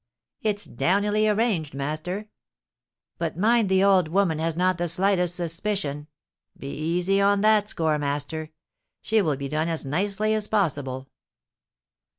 'It's "downily" arranged, master.' 'But mind the old woman has not the slightest suspicion.' 'Be easy on that score, master; she will be done as nicely as possible.'